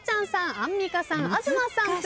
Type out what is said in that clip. アンミカさん東さん正解です。